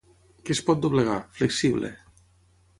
Que es pot doblegar, flexible.